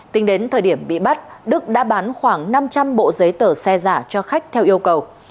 tính đến thời điểm bị bắt đức đã bán khoảng năm trăm linh bộ giấy tờ xe giả cho khách theo yêu cầu